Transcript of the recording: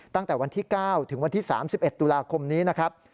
ตั้งแต่วันที่๙ถึงวันที่๓๑ตุลาคมนี้นะครับ